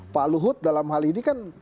pak luhut dalam hal ini kan